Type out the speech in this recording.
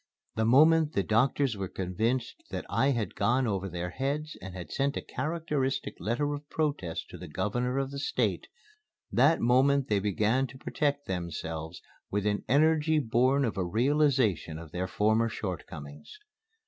The moment the doctors were convinced that I had gone over their heads and had sent a characteristic letter of protest to the Governor of the State, that moment they began to protect themselves with an energy born of a realization of their former shortcomings.